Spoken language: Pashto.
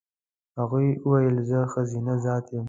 هغې وویل زه ښځینه ذات یم.